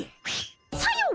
さよう。